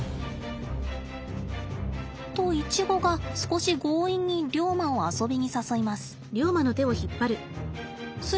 とイチゴが少し強引にリョウマを遊びに誘います。